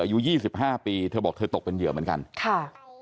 อายุ๒๕ปีเธอบอกเธอตกเป็นเหยื่อเหมือนกันค่ะ